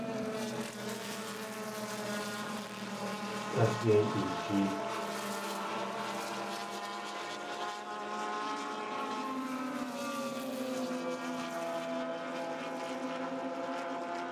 Líl yéi eejéek̲!